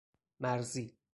مرزی